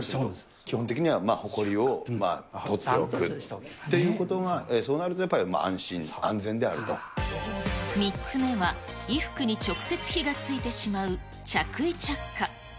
基本的にはほこりを取っておくっていうことが、そうなるとやっぱ３つ目は、衣服に直接火がついてしまう着衣着火。